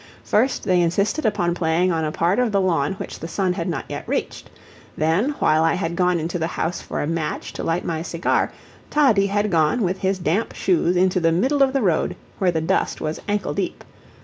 First they insisted upon playing on a part of the lawn which the sun had not yet reached. Then, while I had gone into the house for a match to light my cigar, Toddie had gone with his damp shoes into the middle of the road, where the dust was ankle deep.